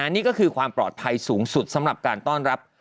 นี่ก็คือความปลอดภัยสูงสุดสำหรับการต้อนรับ